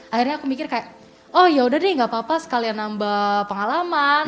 akhirnya aku mikir kayak oh yaudah deh gak apa apa sekalian nambah pengalaman